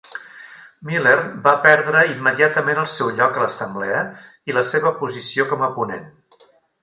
Miller va perdre immediatament el seu lloc a l'assemblea i la seva posició com a ponent.